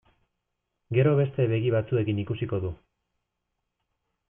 Gero beste begi batzuekin ikusiko du.